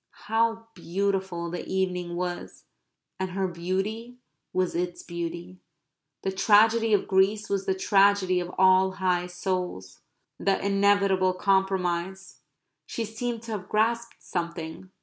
How beautiful the evening was! and her beauty was its beauty. The tragedy of Greece was the tragedy of all high souls. The inevitable compromise. She seemed to have grasped something.